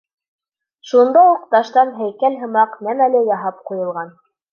Шунда уҡ таштан һәйкәл һымаҡ нәмә лә яһап ҡуйылған.